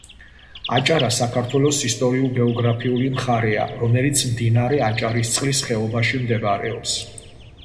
აჭარა საქართველოს ისტორიულ-გეოგრაფიული მხარეა, რომელიც მდინარე აჭარისწყლის ხეობაში მდებარეობს.